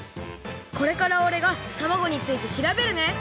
これからおれがたまごについてしらべるね！